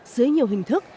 dưới nhiều hình thức